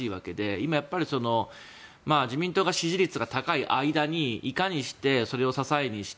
今、自民党が支持率が高い間にいかにして、それを支えにして